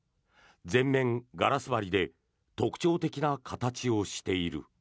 全面ガラス張りで特徴的な形をしている。